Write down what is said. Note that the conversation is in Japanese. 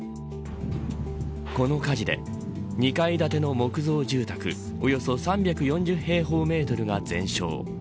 この火事で２階建ての木造住宅およそ３４０平方メートルが全焼。